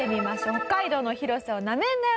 北海道の広さをなめんなよ！